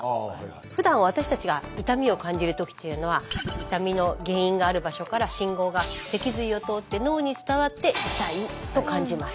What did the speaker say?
ふだん私たちが痛みを感じる時っていうのは痛みの原因がある場所から信号が脊髄を通って脳に伝わって「痛い！」と感じます。